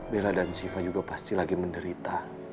bella dan siva juga pasti lagi menderita